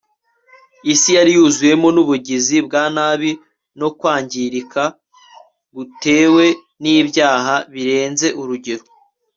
isi yari yuzuwemo n'ubugizi bwa nabi no kwangirika gutewe n'ibyaha birenze urugero